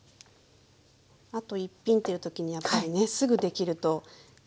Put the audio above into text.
あと一品っていう時にやっぱりねすぐできるといいですよね。